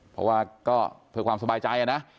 เพราะว่าก็เพื่อความสบายใจนะ